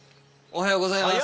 おはようございます。